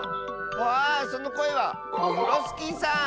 ああそのこえはオフロスキーさん！